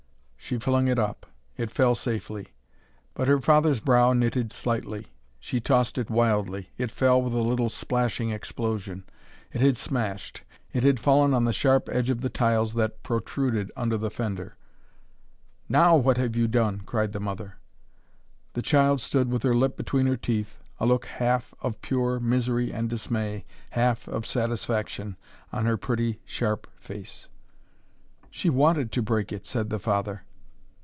She flung it up, it fell safely. But her father's brow knitted slightly. She tossed it wildly: it fell with a little splashing explosion: it had smashed. It had fallen on the sharp edge of the tiles that protruded under the fender. "NOW what have you done!" cried the mother. The child stood with her lip between her teeth, a look, half, of pure misery and dismay, half of satisfaction, on her pretty sharp face. "She wanted to break it," said the father.